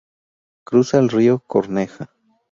Cruza el río Corneja.